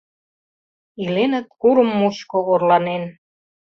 Иленыт курым мучко орланен: